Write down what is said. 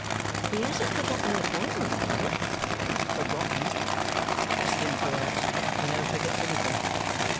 "He hasn't forgotten the appointment, I hope?" "Forgotten? Trust him for that. He never forgets anything.